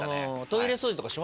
トイレ掃除とかします？